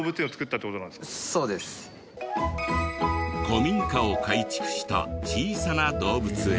古民家を改築した小さな動物園。